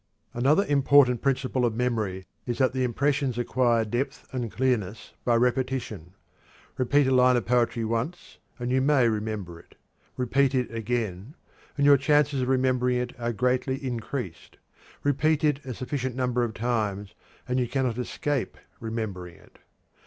Another important principle of memory is that the impressions acquire depth and clearness by repetition. Repeat a line of poetry once, and you may remember it; repeat it again, and your chances of remembering it are greatly increased; repeat it a sufficient number of times, and you cannot escape remembering it.